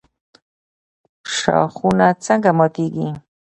ښاخونه څنګه ماتیږي؟